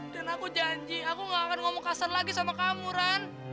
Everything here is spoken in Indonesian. dan aku janji aku gak akan ngomong kasar lagi sama kamu ran